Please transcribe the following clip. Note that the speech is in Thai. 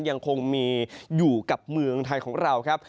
ยังคงมีอยู่กับเมืองไทยของเราครับ